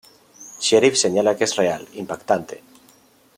Sheriff señala que es real, impactante.